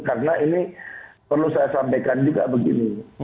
karena ini perlu saya sampaikan juga begini